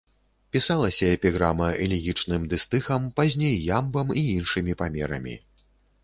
Пісалася эпіграма элегічным дыстыхам, пазней ямбам і іншымі памерамі.